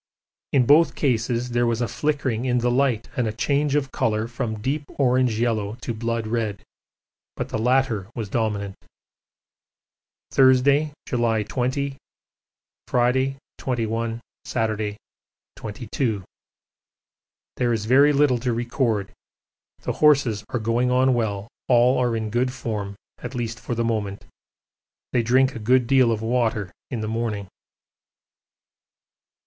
In both cases there was a flickering in the light and a change of colour from deep orange yellow to blood red, but the latter was dominant. Thursday, July 20, Friday 21, Saturday 22. There is very little to record the horses are going on well, all are in good form, at least for the moment. They drink a good deal of water in the morning.